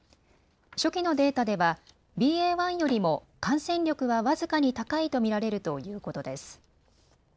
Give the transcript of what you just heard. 初期のデータでは、ＢＡ．１よりも感染力はわずかに高いと見られるということです。